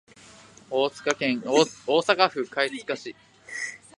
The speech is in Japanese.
大阪府貝塚市